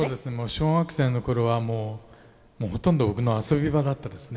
小学生の頃はもうほとんど僕の遊び場だったですね。